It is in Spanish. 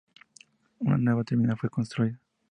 Una nueva terminal fue construida.